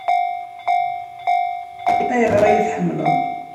Ayɣer ay iyi-tḥemmleḍ?